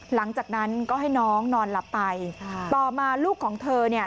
หลังจากนั้นก็ให้น้องนอนหลับไปต่อมาลูกของเธอเนี่ย